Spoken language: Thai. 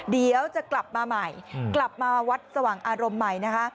เดี๋ยวจะกลับมาใหม่กลับมาวัดสว่างอารมณ์ใหม่นะคะ